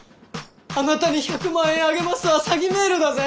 「あなたに１００万円あげます」は詐欺メールだぜ？